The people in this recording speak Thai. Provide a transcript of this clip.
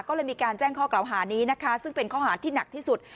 ก็เลยมีการแจ้งข้อกล่าวหานี้นะคะซึ่งเป็นข้อหาที่หนักที่สุด